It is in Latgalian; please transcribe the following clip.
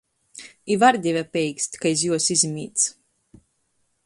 I vardive peikst, ka iz juos izmīdz.